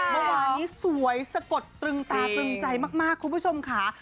เมื่อวานนี้สวยสะกดตรึงตาตรึงใจมากคุณผู้ชมค่ะ